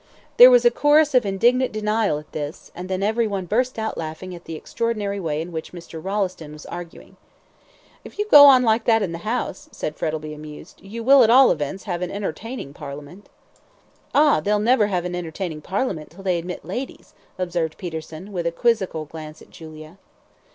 There was a chorus of indignant denial at this, and then every one burst out laughing at the extraordinary way in which Mr. Rolleston was arguing. "If you go on like that in the House," said Frettlby, amused, "you will, at all events, have an entertaining Parliament." "Ah! they'll never have an entertaining Parliament till they admit ladies," observed Peterson, with a quizzical glance at Julia.